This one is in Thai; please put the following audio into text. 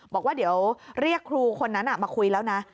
บอกว่าเดี๋ยวเรียกครูคนนั้นมาคุยแล้วนะ